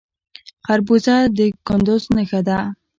خربوزه د کندز نښه ده.